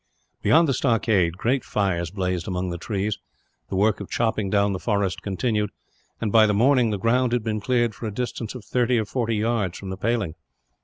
Beyond the stockade great fires blazed among the trees. The work of chopping down the forest continued, and by the morning the ground had been cleared for a distance of thirty or forty yards from the paling.